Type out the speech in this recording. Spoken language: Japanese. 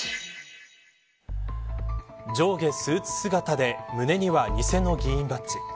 上下スーツ姿で胸には偽の議員バッジ。